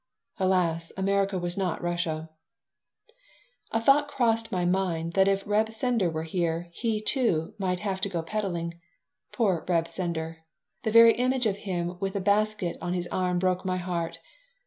Alas! America was not Russia A thought crossed my mind that if Reb Sender were here, he, too, might have to go peddling. Poor Reb Sender! The very image of him with a basket on his arm broke my heart.